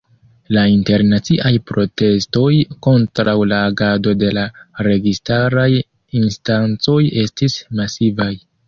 La internaciaj protestoj kontraŭ la agado de la registaraj instancoj estis masivaj.